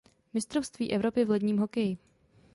Mistrovství Evropy v ledním hokeji.